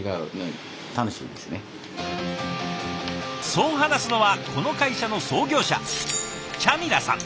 そう話すのはこの会社の創業者チャミラさん。